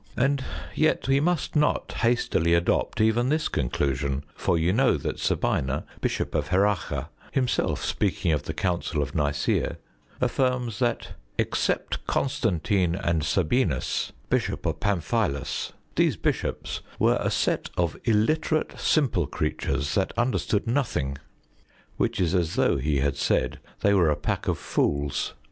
And yet we must not hastily adopt even this conclusion, for you know that Sabina, Bishop of Heracha, himself speaking of the Council of Nicea, affirms that "except Constantine and Sabinus, Bishop of Pamphilus, these bishops were a set of illiterate, simple creatures that understood nothing"; which is as though he had said they were a pack of fools.